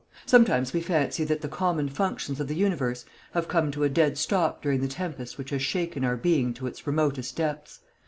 Sometimes we fancy that the common functions of the universe have come to a dead stop during the tempest which has shaken our being to its remotest depths.